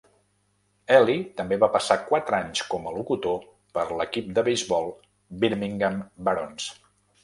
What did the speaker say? Eli també va passar quatre anys com a locutor per l'equip de beisbol Birmingham Barons.